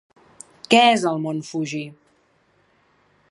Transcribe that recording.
Què és el Mont Fuji?